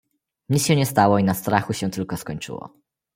"nic się nie stało i na strachu się tylko skończyło."